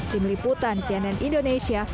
tim liputan cnn indonesia